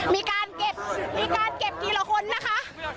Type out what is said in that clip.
มีการเก็บทีละคนนะคะ